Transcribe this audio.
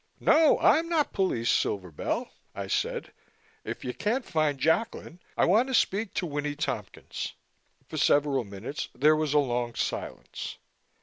"No, I'm not police, Silver Bell," I said. "If you can't find Jacklin, I want to speak to Winnie Tompkins." For several minutes there was a long silence.